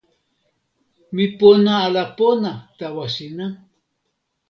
mi pona ala pona tawa sina?